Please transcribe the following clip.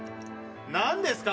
何ですか？